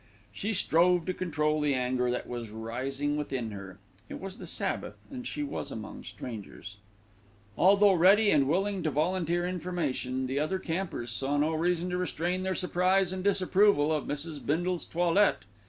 She strove to control the anger that was rising within her. It was the Sabbath, and she was among strangers. Although ready and willing to volunteer information, the other campers saw no reason to restrain their surprise and disapproval of Mrs. Bindle's toilette.